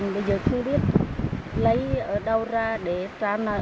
bây giờ không biết lấy ở đâu ra để trả nợ